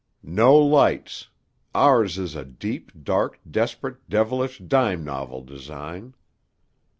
"No lights. Ours is a deep, dark, desperate, devilish, dime novel design."